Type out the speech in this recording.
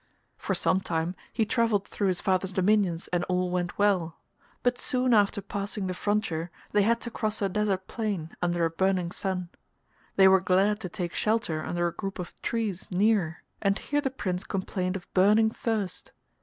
For some time he travelled through his father's dominions and all went well; but soon after passing the frontier they had to cross a desert plain under a burning sun. They were glad to take shelter under a group of trees near, and here the Prince complained of burning thirst.